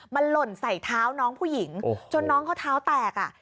มันหล่นใส่เท้าน้องผู้หญิงจนน้องเขาเท้าแตกอ่ะ